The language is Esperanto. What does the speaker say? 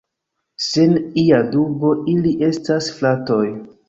Sen ia dubo, ili estas fratoj!